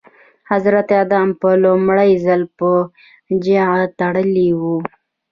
حضرت ادم په لومړي ځل په جغ تړلي وو.